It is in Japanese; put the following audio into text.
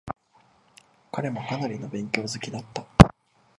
彼もかなりの勉強好きだった。